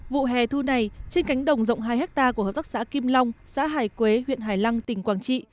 vụ hè thu này trên cánh đồng rộng hai hectare của hợp tác xã kim long xã hải quế huyện hải lăng tỉnh quảng trị